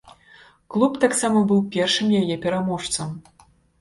Клуб таксама быў першым яе пераможцам.